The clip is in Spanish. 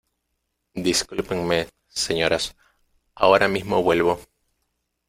Discúlpenme, señoras. Ahora mismo vuelvo .